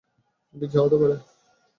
কিন্তু কি হতে পারে?